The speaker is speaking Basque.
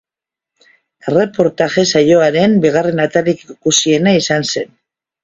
Erreportaje saioaren bigarren atalik ikusiena izan zen.